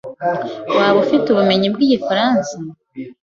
Waba ufite ubumenyi bwigifaransa?